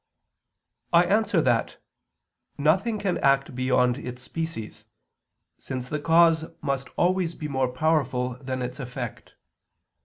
I answer that, Nothing can act beyond its species, since the cause must always be more powerful than its effect.